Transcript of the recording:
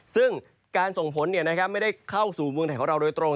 ซึ่งการส่งผลไม่ได้เข้าสู่เมืองไทยของเราโดยตรง